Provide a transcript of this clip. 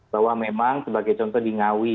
bahwa memang sebagai contoh di ngawi